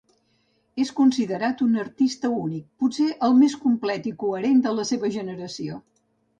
És considerat un artista únic, potser el més complet i coherent de la seva generació.